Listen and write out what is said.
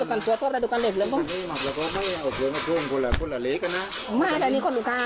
ก็คือพวกมันอธิบายไปกว่างแต่คือตอนนี้ก็ลูกค้า